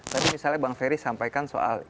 tadi misalnya bang ferry sampaikan soal